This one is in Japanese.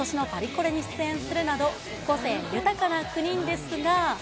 ラウールさんは、ことしのパリコレに出演するなど、個性豊かな９人ですが。